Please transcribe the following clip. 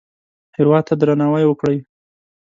هېواد ته درناوی وکړئ